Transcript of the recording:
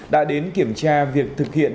đã đến kiểm tra việc thực hiện